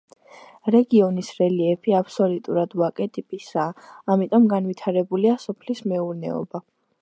რეგიონის რელიეფი აბსოლუტურად ვაკე ტიპისაა, ამიტომ განვითარებულია სოფლის მეურნეობა.